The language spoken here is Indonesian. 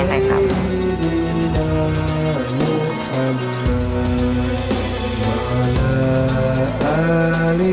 aku justru yang beruntungin buat punya teh kamu